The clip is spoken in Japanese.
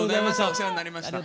お世話になりました。